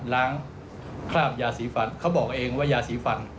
ล้างคราบยาสีฟันเขาบอกเองว่ายาสีฟัน